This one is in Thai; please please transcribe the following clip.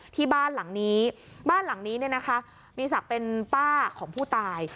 ที่บ้านหลังนี้บ้านหลังนี้เนี่ยนะคะมีศักดิ์เป็นป้าของผู้ตาย